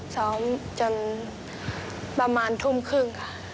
ซ้อมจนประมาณทุ่มครึ่งค่ะ